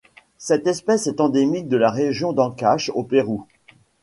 Cette espèce est endémique de la région d'Ancash au Pérou.